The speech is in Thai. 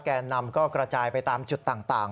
แกนนำก็กระจายไปตามจุดต่าง